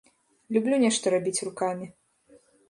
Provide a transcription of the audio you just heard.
Люблю нешта рабіць рукамі.